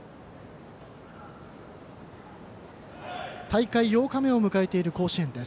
大会８日目を迎えている甲子園。